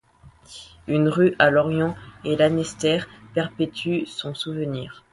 Une rue à Lorient et Lanester perpétue son souvenir.